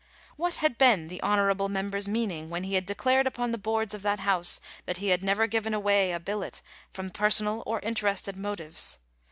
* What had been the honourable member's meaning when he had declared upon the boards of that House that he had never given away a billet from personal or interested motives